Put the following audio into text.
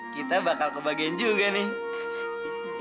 kita bakal kebagian juga nih